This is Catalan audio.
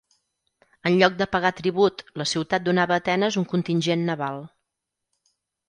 En lloc de pagar tribut la ciutat donava a Atenes un contingent naval.